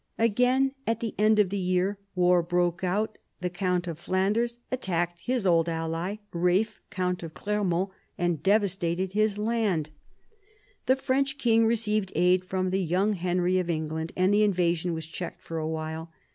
Again, at the end of the year, war broke out. The count of Flanders attacked his old ally, Kalph, count of Clermont, and devastated his land. The French D 34 PHILIP AUGUSTUS chap. king received aid from the young Henry of England, and the invasion was checked for a while.